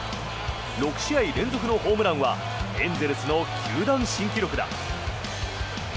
６試合連続のホームランはエンゼルスの球団新記録だ。